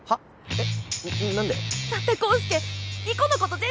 えっ？